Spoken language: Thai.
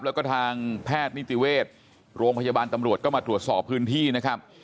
แล้วก็ทางแพทย์นิติเวชโรงพยาบาลตำรวจก็มาตรวจสอบพื้นที่นะครับ